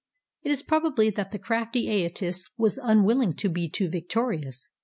It is probable that the crafty Aetius was unwiUing to be too victorious.